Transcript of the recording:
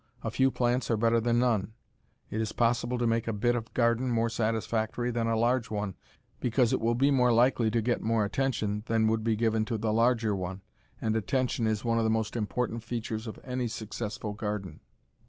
A few plants are better than none. It is possible to make a bit of garden more satisfactory than a large one because it will be more likely to get more attention than would be given to the larger one, and attention is one of the important features of any successful garden.